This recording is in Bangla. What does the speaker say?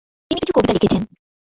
তিনি কিছু কবিতা লিখেছেন।